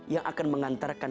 yang akan mengantarkan